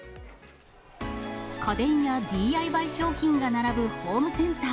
家電やＤＩＹ商品が並ぶホームセンター。